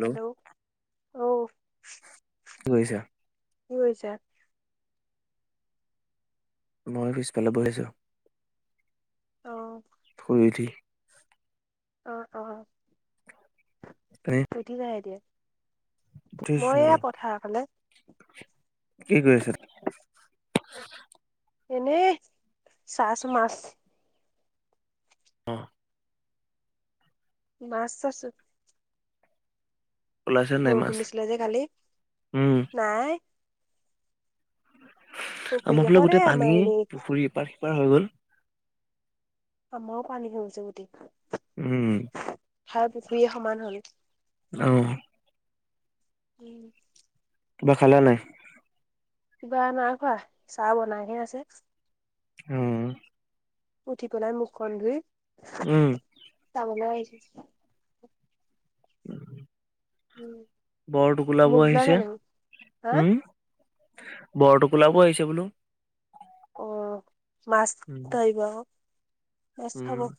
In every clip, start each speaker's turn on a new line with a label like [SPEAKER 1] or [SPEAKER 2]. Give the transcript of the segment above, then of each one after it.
[SPEAKER 1] Hello? ঔ
[SPEAKER 2] কি কৰিছা?
[SPEAKER 1] কি কৰিছা?
[SPEAKER 2] মই পিছফালে বহি আছো,
[SPEAKER 1] অ
[SPEAKER 2] শুই উঠি।
[SPEAKER 1] অ, অ।
[SPEAKER 2] এনে
[SPEAKER 1] পিটিবা এতিয়া মই
[SPEAKER 2] উঠিছো,
[SPEAKER 1] এয়া পথাৰৰ ফালে
[SPEAKER 2] কি কৰি আছা তুমি?
[SPEAKER 1] এনেই, চাই আছো মাছ।
[SPEAKER 2] অ
[SPEAKER 1] মাছ চাইছো।
[SPEAKER 2] ওলাইছে নাই
[SPEAKER 1] বৰষুণ
[SPEAKER 2] মাছ?
[SPEAKER 1] দিছিলে যে কালি,
[SPEAKER 2] উম
[SPEAKER 1] নাই পুখুৰী
[SPEAKER 2] আমফালে
[SPEAKER 1] কাষতে
[SPEAKER 2] গোটেই
[SPEAKER 1] আমাৰ
[SPEAKER 2] পানী,
[SPEAKER 1] এনেই
[SPEAKER 2] পুখুৰী ইপাৰ সিপাৰ হৈ গ'ল।
[SPEAKER 1] আমৰো পানী হৈ গৈছে গোটেই।
[SPEAKER 2] উম।
[SPEAKER 1] পথাৰ পুখুৰীয়ে সমান হ'ল।
[SPEAKER 2] অঁ।
[SPEAKER 1] ওম
[SPEAKER 2] কিবা খালা নাই?
[SPEAKER 1] কিবা নাই খোৱা, চাহ বনাইহে আছে।
[SPEAKER 2] অ
[SPEAKER 1] উঠি পেলাই মুখখন ধুই
[SPEAKER 2] উম।
[SPEAKER 1] চাবলে আহি থৈছো উম।
[SPEAKER 2] বৰটোকোলা
[SPEAKER 1] মুখ
[SPEAKER 2] বোৰ
[SPEAKER 1] ধুলা নাই
[SPEAKER 2] আহিছে,
[SPEAKER 1] তুমি হা
[SPEAKER 2] উম বৰটোকোলা বোৰ আহিছে বোলো।
[SPEAKER 1] অ, মাছ
[SPEAKER 2] উম
[SPEAKER 1] ধৰব আক, মাছ
[SPEAKER 2] উম
[SPEAKER 1] খাব।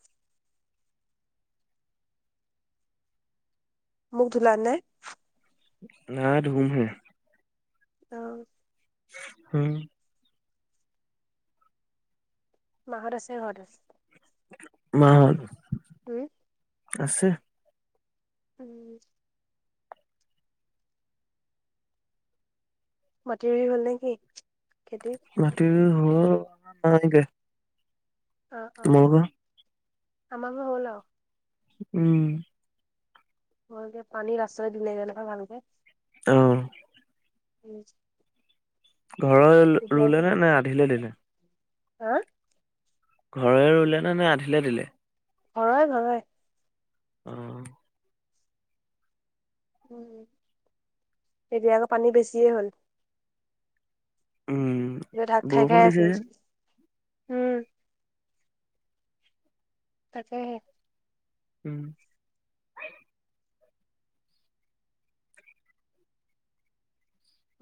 [SPEAKER 1] মুখ ধুলা নে?
[SPEAKER 2] নাই ধুম হে।
[SPEAKER 1] অহ।
[SPEAKER 2] হুম
[SPEAKER 1] মাঁহত আছে ঘৰতে?
[SPEAKER 2] মাঁহত
[SPEAKER 1] ওম।
[SPEAKER 2] আছে।
[SPEAKER 1] উম। মাটি ৰুই হ'ল নেকি খেতি?
[SPEAKER 2] মাটি ৰুই হ'ল তাহানিতে।
[SPEAKER 1] অ', অ',
[SPEAKER 2] তোমালোকৰ?
[SPEAKER 1] আমাৰ বোৰ হ'ল আও
[SPEAKER 2] উম।
[SPEAKER 1] হলগে, পানী লাষ্টটে দিলে গে নহয় ভালকে।
[SPEAKER 2] অ।
[SPEAKER 1] উম
[SPEAKER 2] ঘৰৰ
[SPEAKER 1] এতিয়া
[SPEAKER 2] ৰুলে নে, নে আধিলে দিলে?
[SPEAKER 1] হা?
[SPEAKER 2] ঘৰৰে ৰুলে নে, নে আধিলে দিলে?
[SPEAKER 1] ঘৰৰে ঘৰৰে
[SPEAKER 2] অহ।
[SPEAKER 1] উম, এতিয়া আকৌ পানী বেছিয়ে হ'ল।
[SPEAKER 2] উম।
[SPEAKER 1] এতিয়া ঢাক খাই
[SPEAKER 2] বৰষুণ
[SPEAKER 1] খাই
[SPEAKER 2] দিছে
[SPEAKER 1] আছে।
[SPEAKER 2] যে,
[SPEAKER 1] উম তাকেহে
[SPEAKER 2] উম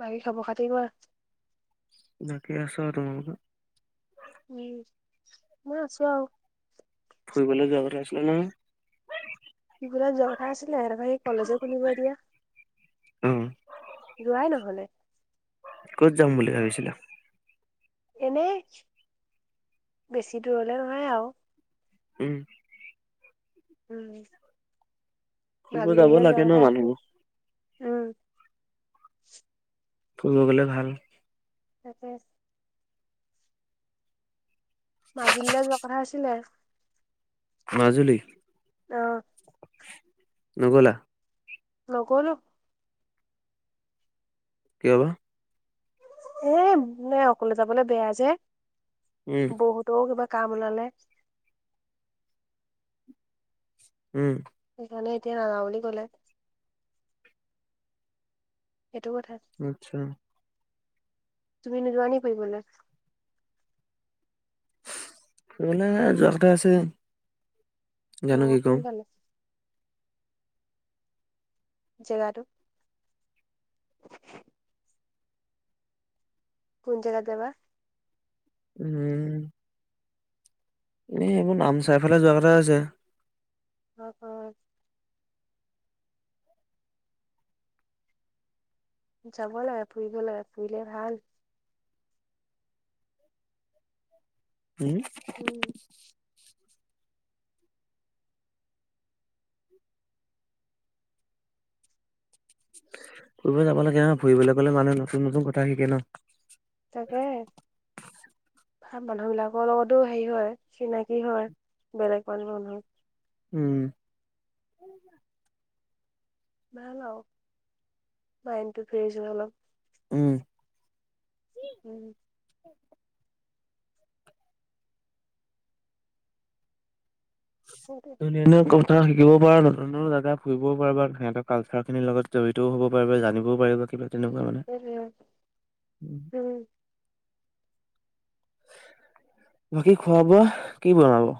[SPEAKER 1] বাকী খবৰ খাতি কোৱা?
[SPEAKER 2] বাকী আছোঁ আৰু
[SPEAKER 1] উম মইয়ো আছোঁ আৰু
[SPEAKER 2] ফুৰিবলৈ যোৱা কথা আছিলে নহয়
[SPEAKER 1] ফুৰিবলৈ যোৱা কথা আছিলে তাৰপৰা এই কলেজে খুলিব এতিয়া
[SPEAKER 2] অ',
[SPEAKER 1] যোৱাই নহ'লে।
[SPEAKER 2] ক'ত যাম বুলি ভাবিছিলা?
[SPEAKER 1] এনেই বেছি দূৰলে নহয় আৰু
[SPEAKER 2] উম
[SPEAKER 1] উম
[SPEAKER 2] ফুৰিব যাব
[SPEAKER 1] মাজুলীলৈ যোৱা
[SPEAKER 2] লাগে ন'
[SPEAKER 1] কথা আছে।
[SPEAKER 2] মানুহবোৰ,
[SPEAKER 1] উম
[SPEAKER 2] ফুৰিব গ'লে ভাল
[SPEAKER 1] তাকে মাজুলীলৈ যোৱা কথা আছিলে।
[SPEAKER 2] মাজুলী
[SPEAKER 1] অ
[SPEAKER 2] নগ'লা?
[SPEAKER 1] নগ'লো।
[SPEAKER 2] কিয় বা?
[SPEAKER 1] এ এনে অকলে যাবলে বেয়া যে,
[SPEAKER 2] উম,
[SPEAKER 1] বৌহঁতৰ কিবা কাম ওলালে।
[SPEAKER 2] উম
[SPEAKER 1] সেইকাৰণে এতিয়া নাযাওঁ বুলি ক'লে। সেইটো কথা।
[SPEAKER 2] আচ্ছা।
[SPEAKER 1] তুমি নোযোৱা নি ফুৰিবলে?
[SPEAKER 2] ফুৰিবলৈ যোৱা কথা আছে।
[SPEAKER 1] অ
[SPEAKER 2] জানো কি কৰো।
[SPEAKER 1] কোনফালে? জেগাটো? [inaudible] কোন জেগাত যাবা?
[SPEAKER 2] উম এনে এইবোৰ নামচাইফালে যোৱা কথা আছে।
[SPEAKER 1] [inaudible] যাবই লাগে ফুৰিব লাগে ফুৰিলে ভাল।
[SPEAKER 2] উম
[SPEAKER 1] উম
[SPEAKER 2] ফুৰিব যাব লাগে অ ফুৰিবলৈ গ'লে ভাল হেনো নতুন নতুন কথা শিকে ন।
[SPEAKER 1] তাকে মানুহ বিলাকৰ লগতো হেৰি হয় চিনাকি হয় বেলেগ মানুহ [unintelligible]
[SPEAKER 2] উম
[SPEAKER 1] ভাল আৰু মাইণ্ডটো ফ্ৰেছ হয় অলপ।
[SPEAKER 2] উম
[SPEAKER 1] উম সেইটোৱে
[SPEAKER 2] ধুনীয়া ধুনীয়া কথা শিকিব পাৰা, নতুন নতুন জাগা ফুৰিব পাৰা বা সিহঁতৰ কালচাৰ খিনিৰ লগত জড়ি তও হ'ব পাৰিবা জানিবও পাৰিবা কিবা তেনেকুৱা মানে।
[SPEAKER 1] সেইটোৱে উম
[SPEAKER 2] বাকী খোৱা বোৱা কি বনাব?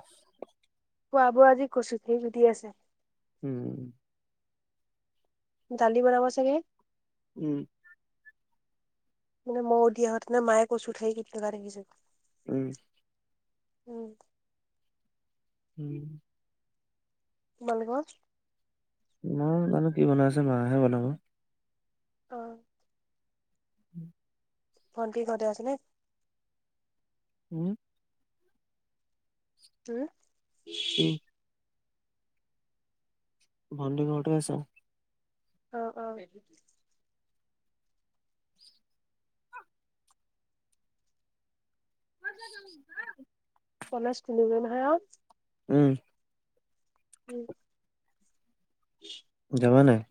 [SPEAKER 1] খোৱা বোৱা আজি কচু [unintelligible] গুটি আছে।
[SPEAKER 2] উম।
[SPEAKER 1] দালি বনাব চাগে!
[SPEAKER 2] উম।
[SPEAKER 1] মানে মই উঠি আহোঁতে নে মায়ে কচু ঠাৰি কুটি থকা দেখিছোঁ।
[SPEAKER 2] উম।
[SPEAKER 1] উম।
[SPEAKER 2] উম।
[SPEAKER 1] তোমালোকৰ?
[SPEAKER 2] নাই জানো কি বনাইছে মায়েহে বনাব।
[SPEAKER 1] অ
[SPEAKER 2] [inaudible]
[SPEAKER 1] ভন্টি ঘৰতে আছেনে?
[SPEAKER 2] উম?
[SPEAKER 1] হম্।
[SPEAKER 2] [unintelligible] ভণ্টি ঘৰতে আছে।
[SPEAKER 1] অ', অ'।
[SPEAKER 2] [unintelligible]
[SPEAKER 1] কলেজ খুলিবই নহয় আৰু।
[SPEAKER 2] উম।
[SPEAKER 1] উম। [inaudible]
[SPEAKER 2] যাবা নে নাই?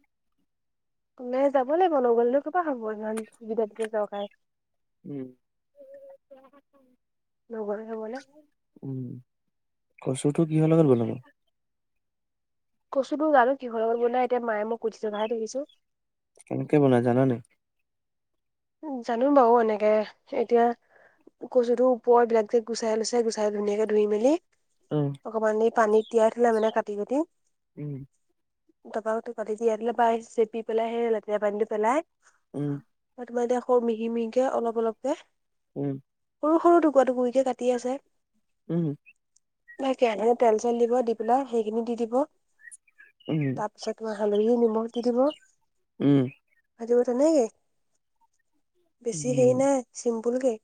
[SPEAKER 1] কলেজ যাব লাগিব নগ'লে নো কৰপৰা হ'ব, ইমান সুবিধা দিছে চৰকাৰে।
[SPEAKER 2] উম।
[SPEAKER 1] নগ'লে হ'বনে।
[SPEAKER 2] উম, কচুটো কিহৰ লগত বনাব?
[SPEAKER 1] কচুটো জানো কিহৰ লগত বনাই এতিযা মায়ে মই কুটি থকা হে দেখিছোঁ।
[SPEAKER 2] কেনেকে বনাই জানা নে নাই?
[SPEAKER 1] জানো বাৰু এনেকে এতিয়া কচুটোৰ ওপৰবিলাক যে গুচাই লৈছে গুচাই ধুনীয়াকে ধুই মেলি।
[SPEAKER 2] উম।
[SPEAKER 1] অকণমান দেৰি পানী তিয়াই থলে মানে কাটি কুটি।
[SPEAKER 2] উম।
[SPEAKER 1] তাৰপা টি দিয়াই দিলে বাাই চেপি পেলাই সেই লেতেৰা পানীটো পেলাই।
[SPEAKER 2] উম।
[SPEAKER 1] আৰু তোমাৰ এতিয়া সৰু মিহি মিহিকে অলপ অলপকে।
[SPEAKER 2] উম।
[SPEAKER 1] সৰু সৰু টুকুৰা টুকুৰি কে কৰি কাটি আছে।
[SPEAKER 2] উম।
[SPEAKER 1] কেৰাহিত তেল-চেল দিব দি পেলা সেইখিনি দি দিব।
[SPEAKER 2] উম।
[SPEAKER 1] তাৰপিছত তোমাৰ হালধি নিমখ দি দিব।
[SPEAKER 2] উম।
[SPEAKER 1] ভাজিব তেনেকে বেছি হেৰি
[SPEAKER 2] উম
[SPEAKER 1] নাই চিম্পুল কে।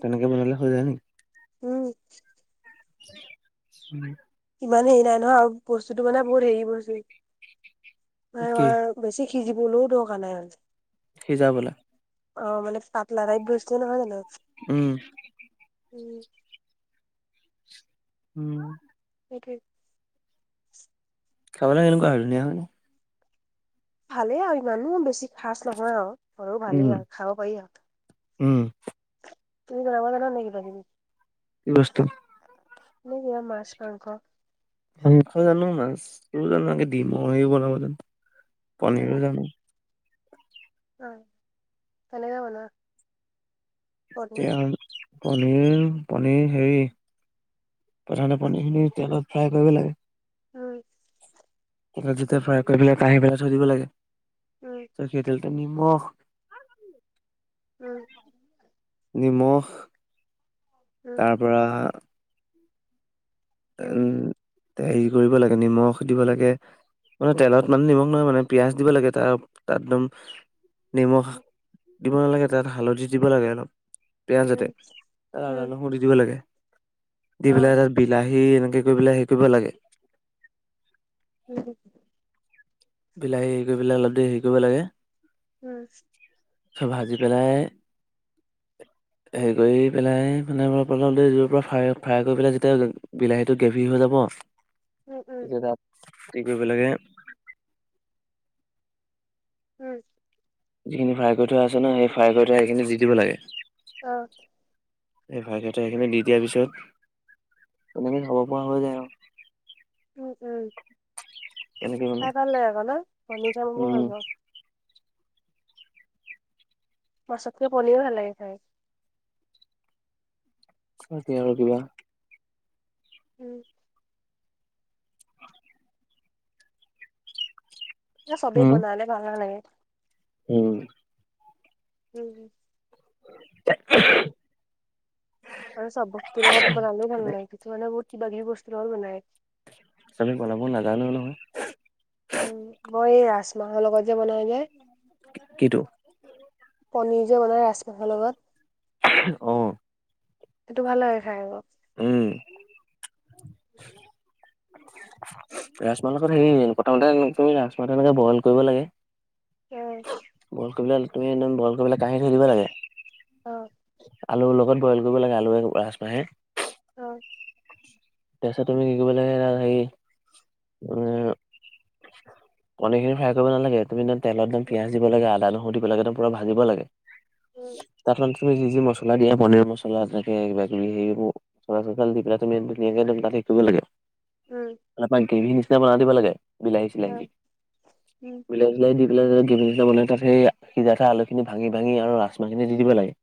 [SPEAKER 2] তেনেকে বনালে হৈ যায় নি?
[SPEAKER 1] উম।
[SPEAKER 2] [inaudible]
[SPEAKER 1] ইমান হেৰি নাই নহয়, আৰু বস্তুটো মানে বহুত হেৰি বস্তু মানে
[SPEAKER 2] কি
[SPEAKER 1] তোমাৰ বেছি সিজিবলৈও দৰকাৰ নাই মানে।
[SPEAKER 2] সিজাবলৈ
[SPEAKER 1] অ, মানে পাতলা টাইপ বস্তু নহয় জানো
[SPEAKER 2] উম।
[SPEAKER 1] উম।
[SPEAKER 2] উম।
[SPEAKER 1] সেইটোৱে।
[SPEAKER 2] খাবলৈ কেনেকুৱা হয় ধুনীয়া হয় নে?
[SPEAKER 1] ভালেই আৰু ইমানো বেছি খাজ নহয় আৰু হলো
[SPEAKER 2] উম,
[SPEAKER 1] ভালেই আৰু খাব পাৰি আৰু।
[SPEAKER 2] উম।
[SPEAKER 1] তুমি বনাব জানা নাই কিবা কিবি?
[SPEAKER 2] কি বস্তু?
[SPEAKER 1] এনে কিবা মাছ মাংস?
[SPEAKER 2] মাংস জানো, মাছও জানো, দিমও হেৰি বনাব জানো, পনীৰো জানো।
[SPEAKER 1] অঁ, কেনেকে বনোৱা? পনীৰ
[SPEAKER 2] [unintelligible] পনিৰ পনিৰ হেৰি প্ৰথমতে পনিৰ খিনি তেলত ফ্ৰাই কৰিব লাগে।
[SPEAKER 1] উম।
[SPEAKER 2] তাৰপাছত যেতিয়া ফ্ৰাই কৰি পেলাই কাহিত ওলাই থৈ দিব লাগে,
[SPEAKER 1] উম
[SPEAKER 2] হে তেলতে নিমখ
[SPEAKER 1] উম
[SPEAKER 2] নিমখ
[SPEAKER 1] উম
[SPEAKER 2] তাৰপৰা উম হেৰি কৰিব লাগে নিমখ দিব লাগে মানে তেলত মানে নিমখ নহয় মানে পিয়াজ দিব লাগে তাৰ তাত দম নিমখ দিব নালাগে তাত হালধি দিব লাগে অলপ। পিয়াজতে
[SPEAKER 1] উম উম
[SPEAKER 2] আদা
[SPEAKER 1] উম
[SPEAKER 2] নহৰু দি দিব লাগে দি
[SPEAKER 1] অ
[SPEAKER 2] পেলাই তাত বি লাহী এনেকৈ কৰি পেলাই হেৰি কৰিব লাগে
[SPEAKER 1] উম
[SPEAKER 2] বিলাহী হেৰি কৰি পেলাই অলপ দেৰি হেৰি কৰিব লাগে।
[SPEAKER 1] উম
[SPEAKER 2] চব ভাজি পেলাই হেৰি কৰি পেলাই মানে অলপ যোৰ পৰা ফ্ৰাই ফ্ৰাই কৰি পেলাই যেতিয়া বিলাহীটো গ্ৰেভি হৈ যাব তেতিয়া তাত কি কৰিব লাগে
[SPEAKER 1] উম
[SPEAKER 2] যিখিনি ফ্ৰাই কৰি থোৱা আছে ন সেই ফ্ৰাই কৰি থোৱা সেইখিনি দি দিব লাগে।
[SPEAKER 1] অঁ।
[SPEAKER 2] এই ফ্ৰাই কৰি থোৱা সেইখিনি দি দিয়াৰ পিছত তেনেকে খাব পৰা হৈ যায় আৰু।
[SPEAKER 1] উম, উম।
[SPEAKER 2] [inaudible]
[SPEAKER 1] তাই [unintelligible] পনী খাই মই ভাল
[SPEAKER 2] উম
[SPEAKER 1] পাওঁ। মাছতকৈ পনিৰে ভাল লাগে খায়।
[SPEAKER 2] বাকী আৰু কিবা?
[SPEAKER 1] উম। এ চবে
[SPEAKER 2] উম
[SPEAKER 1] বনালে ভাল নালাগে।
[SPEAKER 2] উম।
[SPEAKER 1] উম।
[SPEAKER 2] [inaudible]
[SPEAKER 1] আৰু চব বস্তুৰ লগত বনালেও ভাল নালাগে। কিছুমানে বহুত কিবা-কিবি বস্তুৰ লগত বনায়।
[SPEAKER 2] চবে বনাব নাজানেও নহয়।
[SPEAKER 1] উম, মই এই ৰাজমাহৰ লগত যে বনাই যে
[SPEAKER 2] তাকেটো
[SPEAKER 1] পনীৰ যে বনায় ৰাজমাহৰ লগত।
[SPEAKER 2] অ'।
[SPEAKER 1] সেইটো ভাল লাগে খাই আকৌ।
[SPEAKER 2] উম। ৰাজমাহত হেৰি প্ৰথমতে তুমি-তুমি ৰাজমাহতো এনেকে বইল কৰিব লাগে
[SPEAKER 1] উম।
[SPEAKER 2] বইল কৰিলে তুমি একদম বইল কৰি পেলাই কঢ়ি থৈ দিব লাগে।
[SPEAKER 1] অ'।
[SPEAKER 2] আলুৰ লগত বইল কৰিব লাগে। আলুৱে, ৰাজমাহে
[SPEAKER 1] অ'।
[SPEAKER 2] তাৰপিছত তুমি কি কৰিব লাগে হেৰি, উম পনীৰ খিনি ফ্ৰাই কৰিব নালাগে, তুমি তেলত একদম
[SPEAKER 1] উম
[SPEAKER 2] পিয়াজ দিব লাগে, আদা-নহৰু দিব লাগে একদম পুৰা ভাজিব লাগে। তাত তুমি যি যি মছলা দিয়া, পনীৰ মছলা এনেকে কিবা-কিবি সেইবোৰ মছলা-চচলা দি পেলাই তুমি ধুনীয়াকে [unintelligible] কৰিব লাগে।
[SPEAKER 1] উম।
[SPEAKER 2] তাৰপা গ্ৰেভি নিচিনা বনাই দিব লাগে, বিলাহী-চিলাহী দি।
[SPEAKER 1] উম
[SPEAKER 2] বিলাহী বিলাহী দি পেলাই যে গ্ৰেবী নিচিনা বনাই, তাত সেই সিজাকে আলুখিনি ভাঙি-ভাঙি আৰু ৰাজমাহখিনি দি দিব লাগে।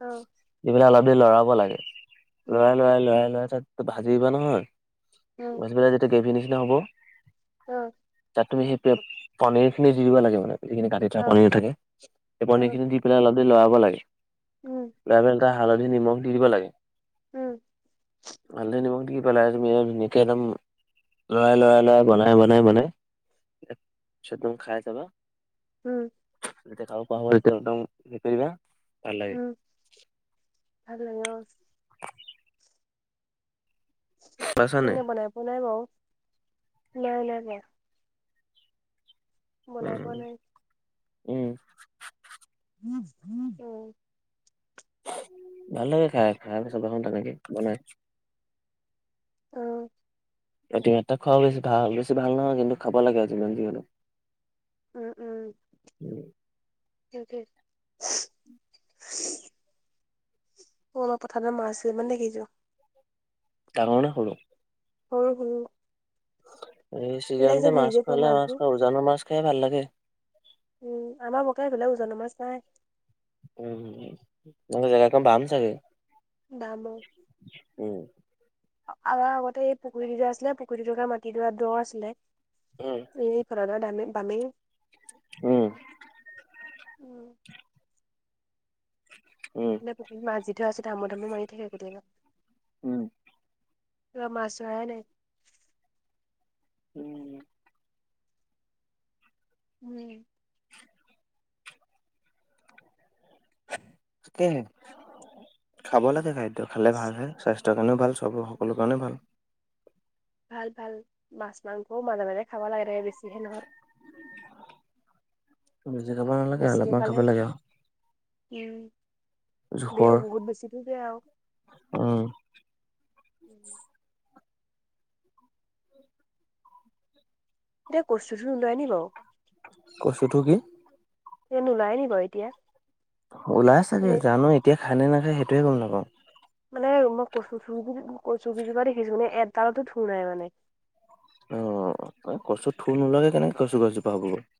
[SPEAKER 1] অ'।
[SPEAKER 2] দি পেলাই অলপ দেৰি লৰাব লাগে,
[SPEAKER 1] উম অ উম
[SPEAKER 2] লৰাই-লৰাই, লৰাই-লৰাই তাৰপিছত ভাজিবা নহয়
[SPEAKER 1] উম
[SPEAKER 2] ভাজি পেলাই যেতিয়া গ্ৰেভীৰ নিচিনা হ'ব
[SPEAKER 1] অ'।
[SPEAKER 2] তাত তুমি সেই পে-পনীৰ খিনি দি দিব লাগে মানে। যিখিনি কাটি থোৱা
[SPEAKER 1] অ
[SPEAKER 2] পনিৰ থাকে। সেই
[SPEAKER 1] অ
[SPEAKER 2] পনীৰখিনি দি পেলাই অলপ দেৰি লৰাব লাগে।
[SPEAKER 1] উম।
[SPEAKER 2] লৰাই পেলাই তাত হালধি, নিমখ দি দিব লাগে।
[SPEAKER 1] উম।
[SPEAKER 2] হালধী, নিমখ দি পেলাই তুমি এ ধুনীয়াকে একদম লৰাই-লৰাই-লৰাই বনাই-বনাই-বনাই তাৰ পিছত তুমি খাই চাবা
[SPEAKER 1] উম।
[SPEAKER 2] যেতিয়া খাব পাৰা হ'বা তেতিয়া একদম হেৰি কৰিবা ভাল লাগে
[SPEAKER 1] উম ভাললাগে অহ
[SPEAKER 2] পাইছা
[SPEAKER 1] মই
[SPEAKER 2] নাই
[SPEAKER 1] এনে বনাই পোৱা নাই বাৰু নাই নাই পোৱা বনাই
[SPEAKER 2] উম
[SPEAKER 1] পোৱা নাই।
[SPEAKER 2] উম
[SPEAKER 1] উম
[SPEAKER 2] ভাল লাগে খাই খাই মেলি চাবাচোন তেনেকে বনাই
[SPEAKER 1] অহ
[SPEAKER 2] অতিমাত্ৰা খোৱাও বেছ ভাল বেছি ভাল নহয় কিন্তু খাব লাগে যিমান যি হলো
[SPEAKER 1] উম উম সেইটোৱে সৌ আমাৰ পথাৰত মাছ কেইটামান দেখিছো
[SPEAKER 2] ডাঙৰ না সৰু
[SPEAKER 1] সৰু সৰু
[SPEAKER 2] এই
[SPEAKER 1] এইবিলাক যে
[SPEAKER 2] চিজনতে
[SPEAKER 1] ঘূৰি
[SPEAKER 2] মাছ
[SPEAKER 1] যে ফুৰে
[SPEAKER 2] খোৱালে মাছ
[SPEAKER 1] মাছবোৰ,
[SPEAKER 2] খা উজানৰ মাছ খাই ভাল লাগে
[SPEAKER 1] উম আমাৰ বকা এইফালে উজানৰ মাছ নাই
[SPEAKER 2] উম তহঁতৰ জাগা খন বাম চাগে
[SPEAKER 1] বাম অ
[SPEAKER 2] উম
[SPEAKER 1] আৰু আগতে এই পুখুৰীটো যে আছিলে পুখুৰীটো থকা মাটি দোৰা দোহ আছিলে
[SPEAKER 2] উম
[SPEAKER 1] এই পুৰনা দামে বামে
[SPEAKER 2] উম
[SPEAKER 1] উম
[SPEAKER 2] উম
[SPEAKER 1] মানে পুখুৰীত মাছ যি থোৱা আছে ধাম ধামে মাৰি দিয়ে কেতিয়াবা
[SPEAKER 2] উম
[SPEAKER 1] এইবাৰ মাছ ধৰাই নাই
[SPEAKER 2] উম
[SPEAKER 1] উম
[SPEAKER 2] তাকেহে খাব লাগে খাদ্য খালে ভাল হয় স্বাস্থ্য টোৰ কাৰণেও ভাল চব সকলো কাৰণে ভাল
[SPEAKER 1] ভাল ভাল মাছ মাংসও মাজে মাজে খাব লাগে তাকে বেছিহে নহয়
[SPEAKER 2] বেছি খাব নালাগে
[SPEAKER 1] বেছিকে
[SPEAKER 2] অলপমান
[SPEAKER 1] খালে,
[SPEAKER 2] খাব লাগে আৰু
[SPEAKER 1] উম বেয়া অ
[SPEAKER 2] জোখৰ
[SPEAKER 1] বহুত বেছিটোৱো বেয়া আৰু
[SPEAKER 2] উম
[SPEAKER 1] উম এতিয়া কচুথুৰি ওলাই নি বাৰু
[SPEAKER 2] কচু থু কি
[SPEAKER 1] এই নোলায় বাও নি এতিয়া
[SPEAKER 2] ওলাই চাগে
[SPEAKER 1] মানে
[SPEAKER 2] জানো এতিয়া খান নে নাখায় সেইটোয়ে গ'ম নাপাওঁ
[SPEAKER 1] মানে ম‌ই কচু থুৰ কচু কেইজোপা দেখিছোঁ মানে এডালটো থুৰ নাই মানে
[SPEAKER 2] অ এই কচু থুৰ নোলোৱা কে কেনেকে কচুজোপা হ'ব ক